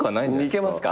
いけますか？